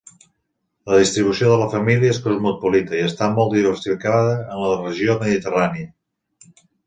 La distribució de la família és cosmopolita i està molt diversificada en la regió mediterrània.